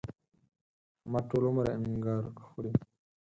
احمد ټول عمر انګار خوري.